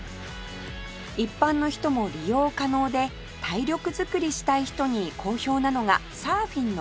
一般の人も利用可能で体力作りしたい人に好評なのがサーフィンのパドリング